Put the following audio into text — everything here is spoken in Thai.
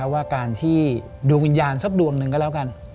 ว่าการที่ดวงวิญญาณสักดวงหนึ่งก็แล้วกัน